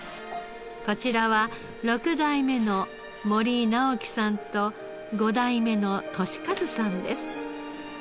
こちらは６代目の森直生さんと５代目の敏一さんです。